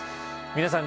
皆さん